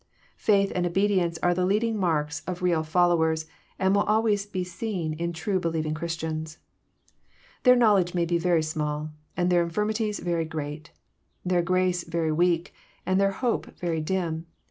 Faith and obedience are the leading marks of real followers, and wTlI always be seen in true believing Christians. Their knowledge may be very small, and their infirmities very great ; their grace very weak, and their hope very dim.